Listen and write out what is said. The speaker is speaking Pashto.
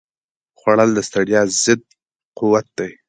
خوړل د ستړیا ضد قوت دی